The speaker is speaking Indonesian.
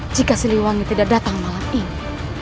jika siliwangi tidak datang malam ini